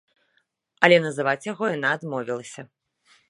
Але называць яго яна адмовілася.